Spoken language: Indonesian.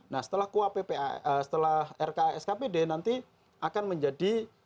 nah setelah rka skpd nanti akan menjadi